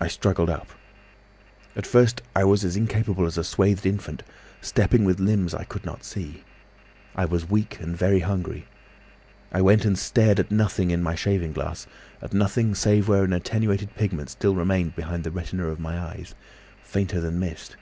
"I struggled up. At first I was as incapable as a swathed infant—stepping with limbs I could not see. I was weak and very hungry. I went and stared at nothing in my shaving glass, at nothing save where an attenuated pigment still remained behind the retina of my eyes, fainter than mist.